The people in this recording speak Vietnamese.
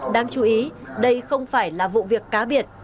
đáng chú ý đây không phải là vụ việc cá biệt